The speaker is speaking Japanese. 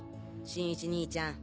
新一兄ちゃん。